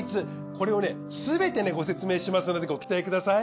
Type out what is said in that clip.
これをすべてご説明しますのでご期待ください。